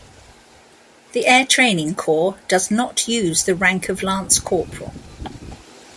The Air Training Corps does not use the rank of lance corporal.